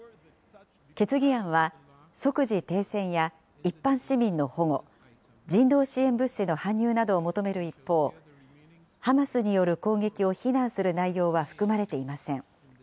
決議案は即時停戦や一般市民の保護、人道支援物資の搬入などを求める一方、ハマスによる攻撃を非難する内容は含まれていません。